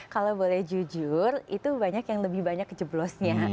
kalau boleh jujur itu banyak yang lebih banyak kejeblosnya